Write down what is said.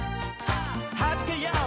「はじけよう！